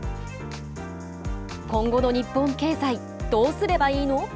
今後の日本経済、どうすればいいの？